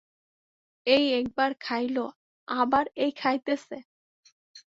এই একবার খাইল, আবার এই খাইতেছে।